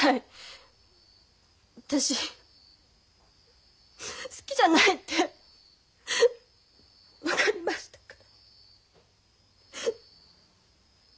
私好きじゃないって分かりましたから。